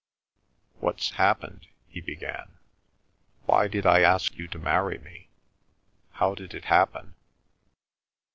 "What's happened?" he began. "Why did I ask you to marry me? How did it happen?"